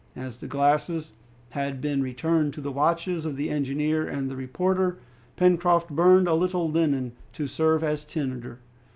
As the glasses had been returned to the watches of the engineer and reporter, Pencroft burned a little linen to serve as tinder.